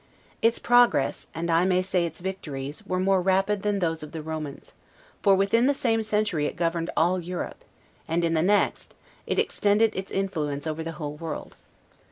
Its progress, and I may say its victories, were more rapid than those of the Romans; for within the same century it governed all Europe; and, in the next, it extended its influence over the whole world.